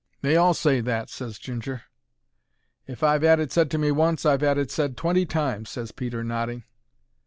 "They all say that," ses Ginger. "If I've 'ad it said to me once, I've 'ad it said twenty times," ses Peter, nodding.